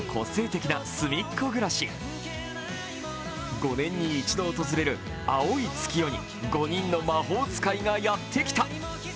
５年に１度訪れる青い月夜に５人の魔法使いがやってきた。